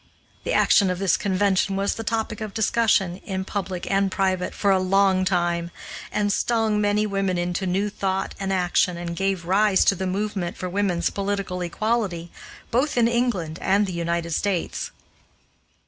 The action of this convention was the topic of discussion, in public and private, for a long time, and stung many women into new thought and action and gave rise to the movement for women's political equality both in England and the United States.